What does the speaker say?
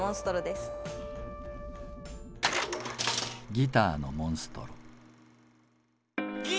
ギターのついたモンストロ！